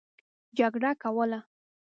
جګړه کوله.